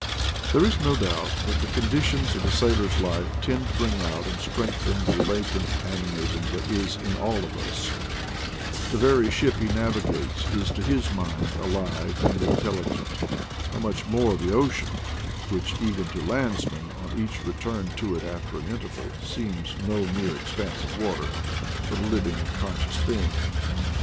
There is no doubt that the conditions of the sailor's life tend to bring out and strengthen the latent animism that is in all of us ; the very ship he navigates is to his mind alive and intelligent, how much more the ocean, which, even to lands men on each return to it after an interval, seems no mere expanse of water, but a living conscious thing.